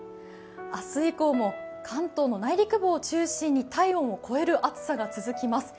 明日以降も関東の内陸部を中心に体温を超える暑さが続きます。